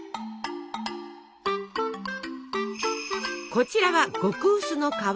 こちらは極薄の皮。